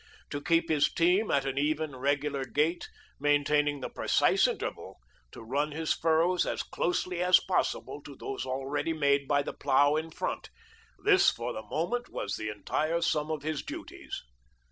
To keep his team at an even, regular gait, maintaining the precise interval, to run his furrows as closely as possible to those already made by the plough in front this for the moment was the entire sum of his duties.